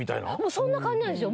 そんな感じなんですよ